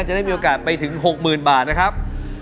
จะได้มีโอกาสไปถึง๖๐๐๐บาทนะครับ